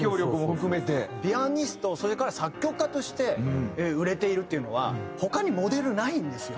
ピアニストそれから作曲家として売れているっていうのは他にモデルないんですよ。